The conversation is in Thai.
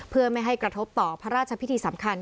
เพื่อไม่ให้กระทบต่อพระราชพิธีสำคัญ